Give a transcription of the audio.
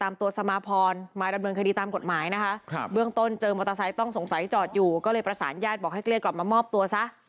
มอเตอร์ไซต์ต้องสงสัยจอดอยู่ก็เลยประสานญาติบอกให้เกลียดกลับมามอบตัวซะ